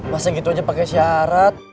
masa gitu aja pakai syarat